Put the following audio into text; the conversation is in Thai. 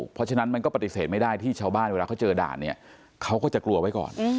เพราะฉะนั้นมันก็ปฏิเสธไม่ได้ที่ชาวบ้านเวลาเขาเจอด่านเนี่ยเขาก็จะกลัวไว้ก่อน